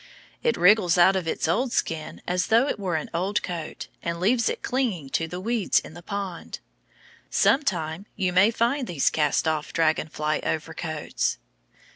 It wriggles out of its old skin as though it were an old coat, and leaves it clinging to the weeds in the pond. Sometime you may find these cast off dragon fly overcoats.